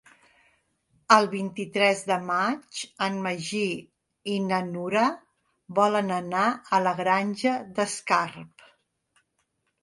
El vint-i-tres de maig en Magí i na Nura volen anar a la Granja d'Escarp.